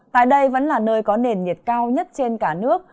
tại đây vẫn là nơi có nền nhiệt cao nhất trên cả nước